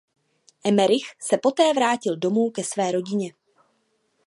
Emerich se poté vrátil domů ke své rodině.